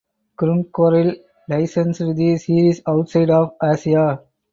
Crunchyroll licensed the series outside of Asia.